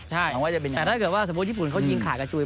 แต่ถ้าเกิดว่าสมมุติญี่ปุ่นเขายิงขาดกระจุย